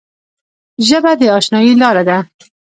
ژبه د اشنايي لاره ده